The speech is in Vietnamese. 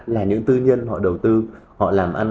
là những tư nhân họ đầu tư họ làm ăn